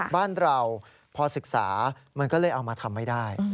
บ้านเราพอศึกษามันก็เลยเอามาทำไม่ได้